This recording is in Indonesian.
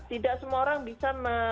tidak semua orang bisa